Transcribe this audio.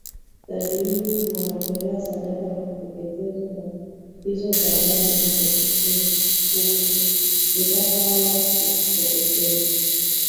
Dhabihu na matoleo na sadaka za kuteketezwa na hizo za dhambi hukuzitaka wala hukupendezwa